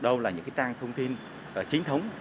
đâu là những trang thông tin chiến thống